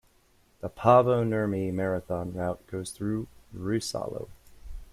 The Paavo Nurmi Marathon route goes through Ruissalo.